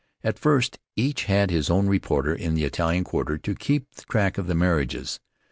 At first, each had his own reporter in the Italian quarter to keep track of the marriages.